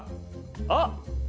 あっ！